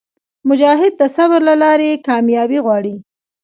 مجاهد د صبر له لارې کاميابي غواړي.